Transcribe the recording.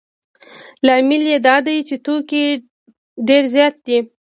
لامل یې دا دی چې توکي ډېر زیات دي